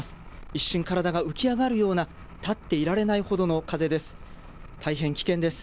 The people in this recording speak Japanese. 一瞬、体が浮き上がるような、立っていられないほどの風です。